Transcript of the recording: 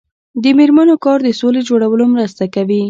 د میرمنو کار د سولې جوړولو مرسته کوي.